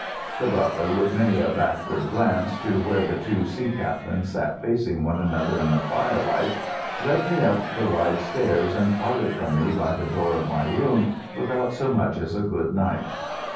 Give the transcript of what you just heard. The butler, with many a backward glance to where the two sea captains sat facing one another in the firelight, led me up the wide stairs and parted from me by the door of my room without so much as a good night.